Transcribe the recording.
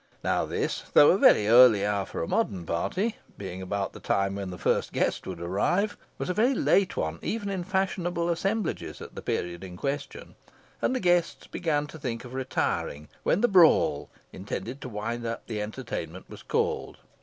Now this, though a very early hour for a modern party, being about the time when the first guest would arrive, was a very late one even in fashionable assemblages at the period in question, and the guests began to think of retiring, when the brawl, intended to wind up the entertainment, was called.